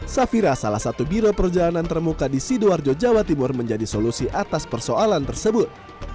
safira salah satu biro perjalanan termuka di sidoarjo jawa timur menjadi solusi atas persoalan tersebut